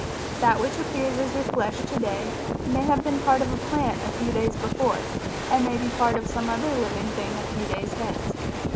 That which appears as your flesh to day, may have been part of a plant a few days before, and may be part of some other living thing a few days hence.